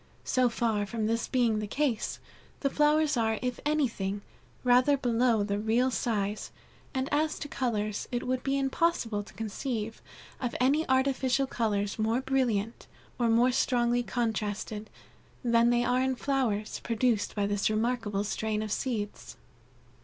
So far from this being the case, the flowers are, if anything, rather below the real size, and as to colors, it would be impossible to conceive of any artificial colors more brilliant, or more strongly contrasted, than they are in flowers, produced by this remarkable strain of seeds."